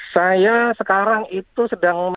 saya sekarang itu sedang